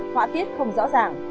họa tiết không rõ ràng